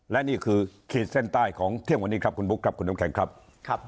และนี่คือขีดเส้นใต้ของเที่ยงวันนี้ครับคุณบุ๊คครับคุณน้ำแข็งครับ